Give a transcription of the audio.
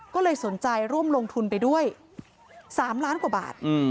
ก็เลยสนใจร่วมลงทุนไปด้วย๓ล้านกว่าบาท